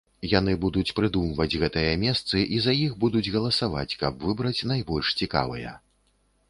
Яны будуць прыдумваць гэтыя месцы і за іх будуць галасаваць, каб выбраць найбольш цікавыя.